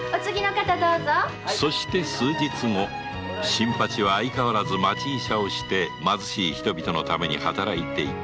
そして数日後新八は相変わらず町医者をして貧しい人のために働いていた。